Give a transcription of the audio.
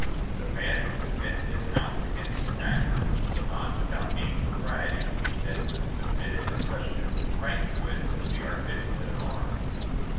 The man who defends his house against attack can not with any propriety be said to have submitted the question of his right to it to the arbitrament of arms.